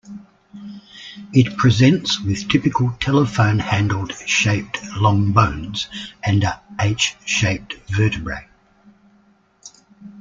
It presents with typical telephone handled shaped long bones and a H-shaped vertebrae.